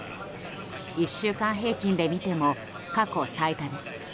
１週間平均で見ても過去最多です。